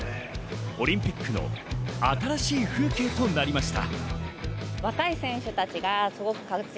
オリンピックの新しい風景となりました。